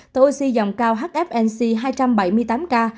thở oxy dòng cao hfnc hai trăm bảy mươi tám ca